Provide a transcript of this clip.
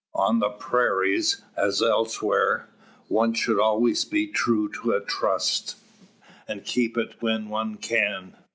"On the prairies, as elsewhere, one should always be true to a trust, and keep it when one can.